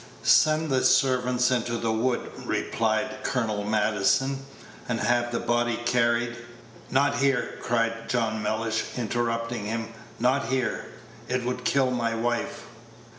"Send the servants into the wood," replied Colonel Maddison, "and have the body carried " "Not here," cried John Mellish, interrupting him, "not here; it would kill my wife."